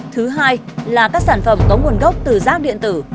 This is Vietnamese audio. thứ hai là các sản phẩm có nguồn gốc từ rác điện tử